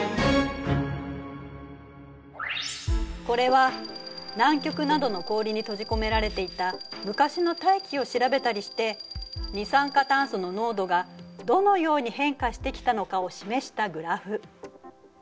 これは南極などの氷に閉じ込められていた昔の大気を調べたりして二酸化炭素の濃度がどのように変化してきたのかを示したグラフ。